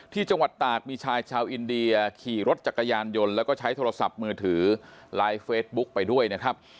ที่จังหวัดตากมีชายชาวอินเดียขี่รถจักรยานยนต์แล้วก็ใช้โทรศัพท์มือถือไลฟ์เฟซบุ๊คไปด้วยนะครับ